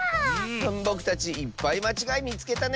ぼくたちいっぱいまちがいみつけたね！